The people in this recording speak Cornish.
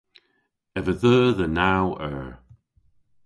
Ev a dheu dhe naw eur.